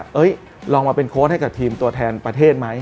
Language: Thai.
ลองมาเป็นโค้ดให้กับทีมตัวแทนประเทศไหม